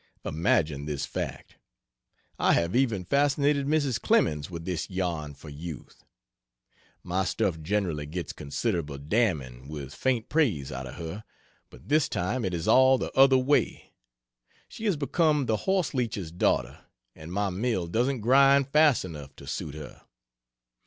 Imagine this fact I have even fascinated Mrs. Clemens with this yarn for youth. My stuff generally gets considerable damning with faint praise out of her, but this time it is all the other way. She is become the horseleech's daughter and my mill doesn't grind fast enough to suit her.